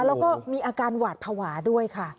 แล้วก็มีอาการหวาดภาวะด้วยค่ะ